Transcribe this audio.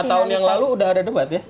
lima tahun yang lalu udah ada debat ya